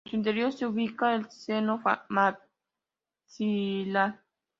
En su interior se ubica el seno maxilar.